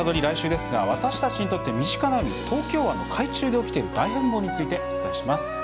来週は、私たちにとって身近な東京湾の海中で起きている大変貌についてお伝えします。